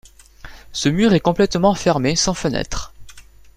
Ce mur est complètement fermé sans fenêtres.